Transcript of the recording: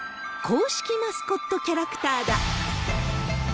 公式マスコットキャラクターだ。